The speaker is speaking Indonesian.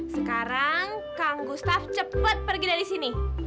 sekarang kang gustaf cepat pergi dari sini